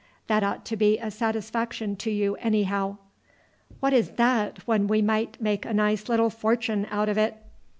That ought to be a satisfaction to you anyhow." "What is that when we might make a nice little fortune out of it?"